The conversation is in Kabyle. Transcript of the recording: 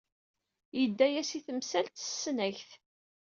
Yedda-as i temsalt s tesnagt.